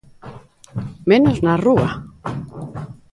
¡Menos na Rúa!